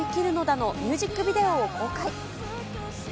のミュージックビデオを公開。